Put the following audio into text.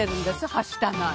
はしたない。